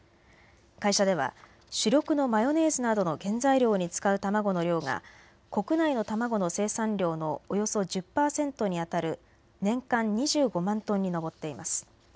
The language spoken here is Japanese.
会社では主力のマヨネーズなどの原材料に使う卵の量が国内の卵の生産量のおよそ１０％にあたる年間２５万トンに上っています。